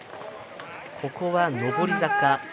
ここは上り坂。